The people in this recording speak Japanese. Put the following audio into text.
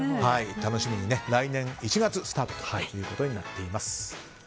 楽しみに、来年１月スタートということです。